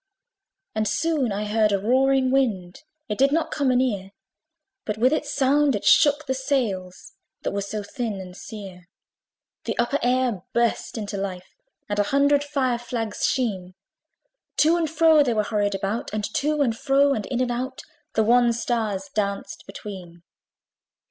And soon I heard a roaring wind: It did not come anear; But with its sound it shook the sails, That were so thin and sere. The upper air burst into life! And a hundred fire flags sheen, To and fro they were hurried about! And to and fro, and in and out, The wan stars danced between.